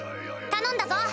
頼んだぞ！